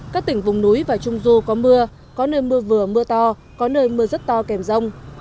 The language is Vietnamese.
các tỉnh vùng núi và trung du có mưa có nơi mưa vừa mưa to có nơi mưa rất to kèm rông